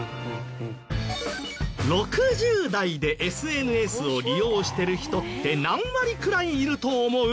６０代でＳＮＳを利用してる人って何割くらいいると思う？